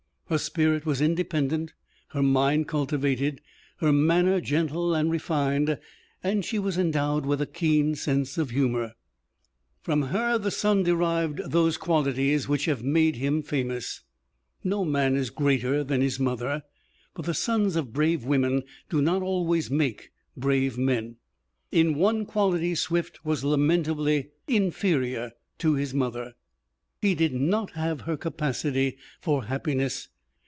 Her spirit was independent, her mind cultivated, her manner gentle and refined, and she was endowed with a keen sense of humor. From her, the son derived those qualities which have made him famous. No man is greater than his mother; but the sons of brave women do not always make brave men. In one quality Swift was lamentably inferior to his mother he did not have her capacity for happiness.